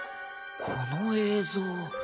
この映像。